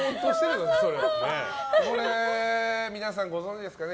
皆さんご存じですかね